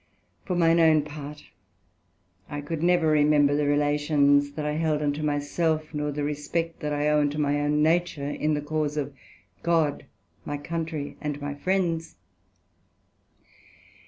For mine own part I could never remember the relations that I held unto my self, nor the respect that I owe unto my own nature, in the cause of God, my Country, and my Friends.